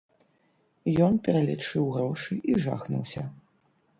Ён пералічыў грошы і жахнуўся.